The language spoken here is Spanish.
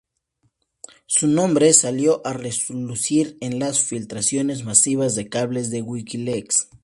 Su nombre salió a relucir en las filtraciones masivas de cables de Wikileaks.